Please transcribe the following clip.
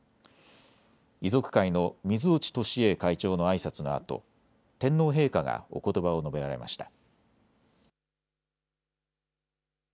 遺族会の水落敏栄会長のあいさつのあと、天皇陛下がおことばを述べられました。